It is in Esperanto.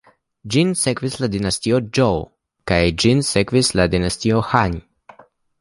Ĝi sekvis la Dinastion Zhou, kaj ĝin sekvis la Dinastio Han.